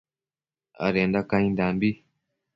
adenda caindambi